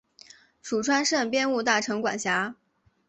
属川滇边务大臣管辖。